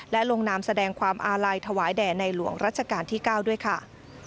และลงนามแสดงความอาลัยถวายแด่ในหลวงรัชกาลที่๙ด้วยค่ะ